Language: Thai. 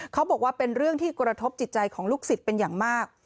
เขาบอกว่าเป็นเรื่องที่กระทบจิตใจของลูกศิษย์เป็นอย่างมาก